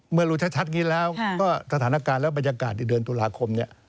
เมื่อรู้ชัดอย่างนี้แล้วก็สถานการณ์และบรรยากาศในเดือนตุลาคมเนี่ย